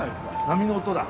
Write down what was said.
波の音だ。